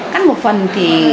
cắt một phần thì